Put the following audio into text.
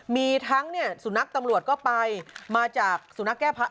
มีทั้งสุนัขตำรวจก็ไปมาจากสุนัขแก้พระ